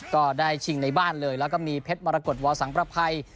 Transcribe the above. ก็ได้ชิงในบ้านเลยแล้วก็มีเพชรมรกฏวอสังประภัย